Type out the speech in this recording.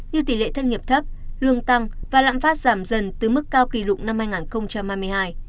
như tỷ lệ thất nghiệp thấp lương tăng và lãm phát giảm dần từ mức cao kỳ lụng năm hai nghìn hai mươi hai